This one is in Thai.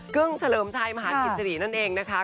กึ่งเฉลิมชัยมหาดกิจรินั่นเองนะคะ